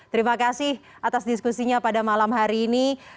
terima kasih atas diskusinya pada malam hari ini